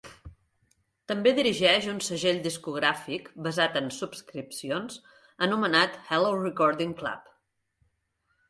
També dirigeix un segell discogràfic basat en subscripcions anomenat Hello Recording Club.